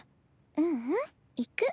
ううん行く。